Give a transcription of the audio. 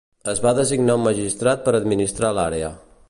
Es va designar un magistrat per administrar l'àrea.